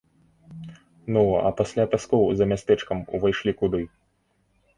Ну, а пасля пяскоў за мястэчкам увайшлі куды?